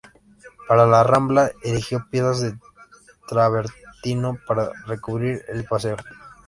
Para la rambla, eligió piezas de travertino para recubrir el paseo.